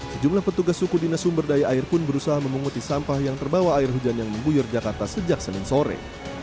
sejumlah petugas suku dinasumberdaya air pun berusaha memunguti sampah yang terbawa air hujan yang membuyur jakarta sejak senin sore